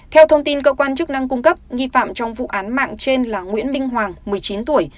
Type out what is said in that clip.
theo thông tin cơ quan chức năng cung cấp nghi phạm trong vụ án mạng trên là nguyễn minh hoàng một mươi chín tuổi